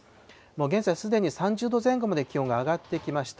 現在、すでに３０度前後まで気温が上がってきました。